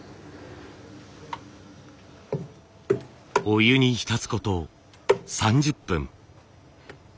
お湯に浸すこと３０分。